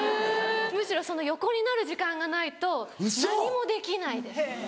むしろその横になる時間がないと何もできないです。